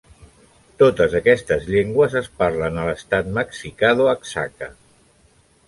Totes aquestes llengües es parlen a l'estat mexicà d'Oaxaca.